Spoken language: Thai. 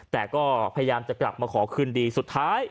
แต่ก็พยายามจะกลับมาขอคืนดีสุดท้าย